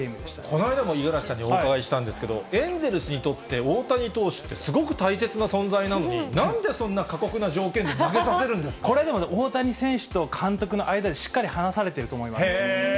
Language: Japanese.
この間も五十嵐さんにお伺いしたんですけれども、エンゼルスにとって、大谷投手ってすごく大切な存在なのに、なんでそんな過これでも、大谷選手と監督の間でしっかり話されてると思います。